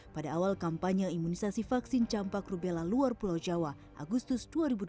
pada awal kampanye imunisasi vaksin campak rubella luar pulau jawa agustus dua ribu delapan belas